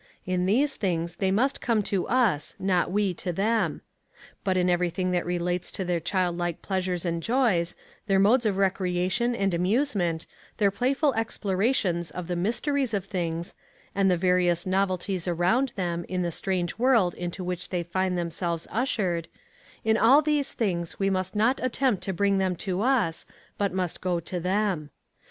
In these things they must come to us, not we to them. But in every thing that relates to their child like pleasures and joys, their modes of recreation and amusement, their playful explorations of the mysteries of things, and the various novelties around them in the strange world into which they find themselves ushered in all these things we must not attempt to bring them to us, but must go to them.